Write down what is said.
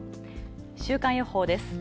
週間予報です。